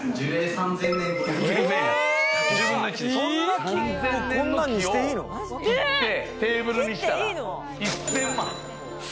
３０００年の木を切ってテーブルにしたら１０００万。